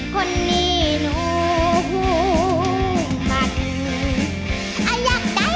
คนนี้หนูมักอยากได้อยากได้